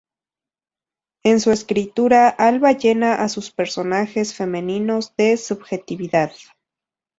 En su escritura, Alba llena a sus personajes femeninos de subjetividad.